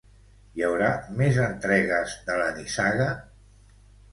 Hi haurà més entregues de la nissaga?